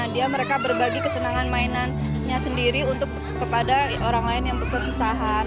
dia mereka berbagi kesenangan mainannya sendiri untuk kepada orang lain yang berkesusahan